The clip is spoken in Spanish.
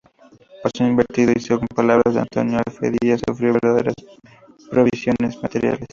Pasó inadvertido y, según palabras de Antonio F. Díaz, sufrió verdaderas privaciones materiales.